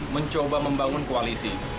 mencoba membangun koalisi